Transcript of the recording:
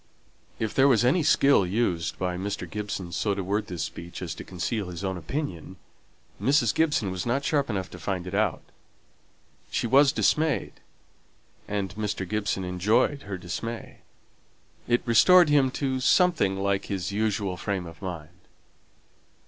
If there was any skill used by Mr. Gibson so to word this speech as to conceal his own opinion, Mrs. Gibson was not sharp enough to find it out. She was dismayed, and Mr. Gibson enjoyed her dismay; it restored him to something like his usual frame of mind.